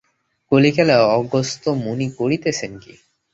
কলিকালে অগস্ত্য মুনি করিতেছেন কী।